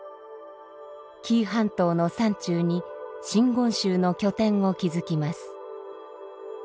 紀伊半島の山中に真言宗の拠点を築きます。